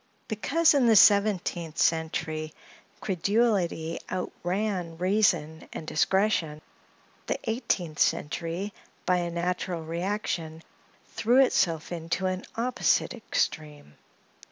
Because, in the seventeenth century, credulity outran reason and discretion; the eighteenth century, by a natural reaction, threw itself into an opposite extreme.